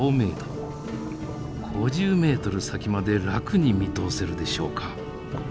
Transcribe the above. ５０メートル先まで楽に見通せるでしょうか。